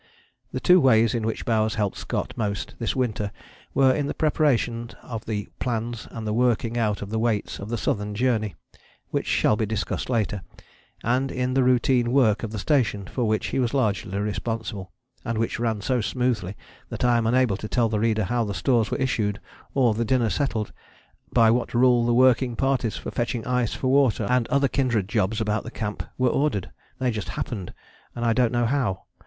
The two ways in which Bowers helped Scott most this winter were in the preparation of the plans and the working out of the weights of the Southern Journey, which shall be discussed later, and in the routine work of the station, for which he was largely responsible, and which ran so smoothly that I am unable to tell the reader how the stores were issued, or the dinner settled, by what rule the working parties for fetching ice for water and other kindred jobs about the camp were ordered. They just happened, and I don't know how.